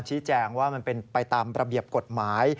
ชี้แจงว่ามันเป็นไปตามระเบียบกฎหมาย